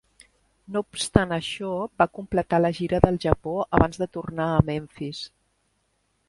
No obstant això, va completar la gira del Japó abans de tornar a Memphis.